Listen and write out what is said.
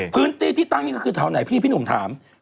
พื้นที่ที่ตั้งนี่ก็คือแถวไหนพี่พี่หนุ่มถาม